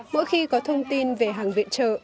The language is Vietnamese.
mỗi khi có thông tin về hàng viện trợ